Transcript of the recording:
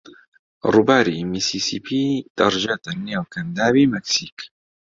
ڕووباری میسیسیپی دەڕژێتە نێو کەنداوی مەکسیک.